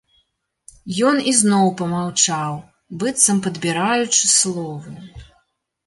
Ён ізноў памаўчаў, быццам падбіраючы словы.